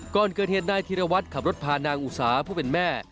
ก่อนเกิดเหตุนายธิรวัตรขับรถพานางอุสาผู้เป็นแม่